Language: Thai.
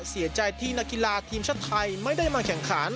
เสียใจที่นักกีฬาทีมชาติไทยไม่ได้มาแข่งขัน